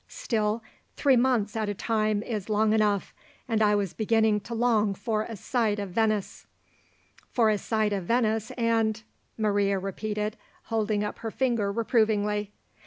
Still, three months at a time is long enough, and I was beginning to long for a sight of Venice." "For a sight of Venice and " Maria repeated, holding up her finger reprovingly.